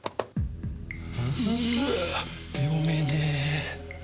うわ読めねえ。